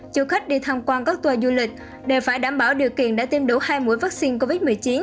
chủ khách đi tham quan các tour du lịch đều phải đảm bảo điều kiện đã tiêm đủ hai mũi vaccine covid một mươi chín